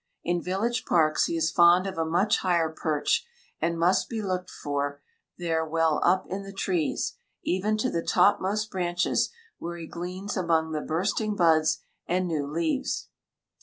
In village parks he is fond of a much higher perch, and must be looked for there well up in the trees, even to the topmost branches, where he gleans among the bursting buds and new leaves.